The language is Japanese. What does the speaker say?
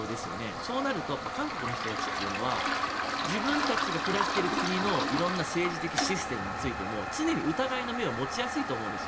そうなると韓国の人たちというのは自分たちが暮らしている国の色んな政治的システムについても常に疑いの目を持ちやすいと思うんですよ。